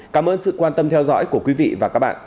cảm ơn sự quan tâm theo dõi của quý vị và các bạn